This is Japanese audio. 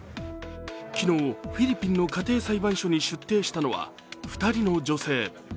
昨日フィリピンの家庭裁判所に出廷したのは、２人の女性。